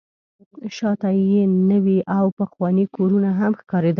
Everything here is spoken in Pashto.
شاته یې نوي او پخواني کورونه هم ښکارېدل.